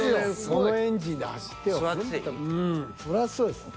そらそうです。